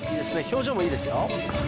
表情もいいですよ